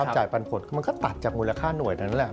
จ่ายปันผลมันก็ตัดจากมูลค่าหน่วยนั้นแหละ